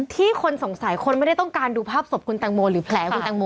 คนสงสัยคนไม่ได้ต้องการดูภาพศพคุณแตงโมหรือแผลคุณแตงโม